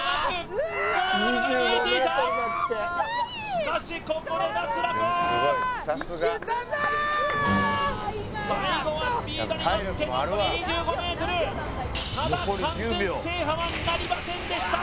しかしここで脱落最後はスピードに乗って残り２５ｍただ完全制覇はなりませんでした